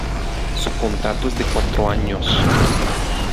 Su contrato es de cuatro años.